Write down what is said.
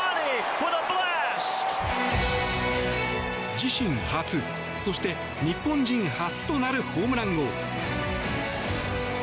自身初、そして日本人初となるホームラン王。